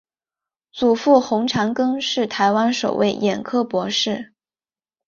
祖父洪长庚是台湾首位眼科博士。